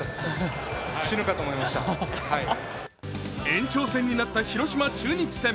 延長戦になった広島×中日戦。